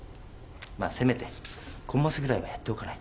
まっせめてコンマスぐらいはやっておかないと。